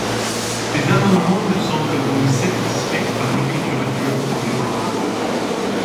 Ces amendements me semblent donc satisfaits par l’écriture actuelle du projet de loi.